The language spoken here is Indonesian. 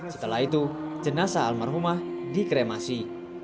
setelah itu jenazah almarhumah dikremasi